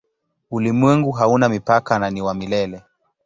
Ulimwengu hauna mipaka na ni wa milele.